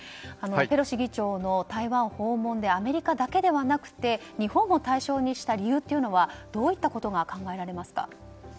ペロシ議長の台湾訪問でアメリカだけではなくて日本も対象にした理由はどういったことが考えられますか。